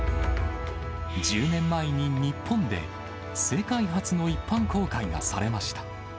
１０年前に日本で、世界初の一般公開がされました。